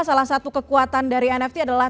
salah satu kekuatan dari nft adalah